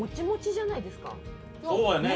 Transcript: そうやね。